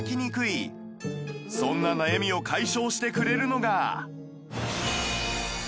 そんな悩みを解消してくれるのが